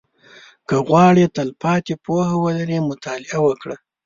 • که غواړې تلپاتې پوهه ولرې، مطالعه وکړه.